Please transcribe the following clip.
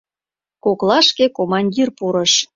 Коклашке командир пурыш: